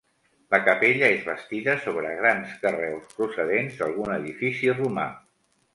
La capella és bastida sobre grans carreus procedents d'algun edifici romà.